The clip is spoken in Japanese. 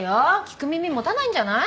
聞く耳持たないんじゃない？